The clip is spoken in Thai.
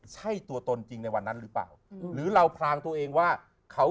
ใช่ตัวตนจริงในวันนั้นหรือเปล่าหรือเราพรางตัวเองว่าเขา